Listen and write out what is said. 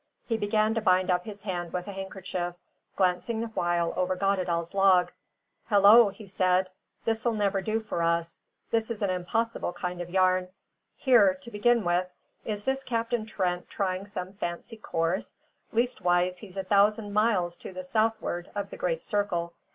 He began to bind up his hand with a handkerchief, glancing the while over Goddedaal's log. "Hullo!" he said, "this'll never do for us this is an impossible kind of a yarn. Here, to begin with, is this Captain Trent trying some fancy course, leastways he's a thousand miles to south'ard of the great circle.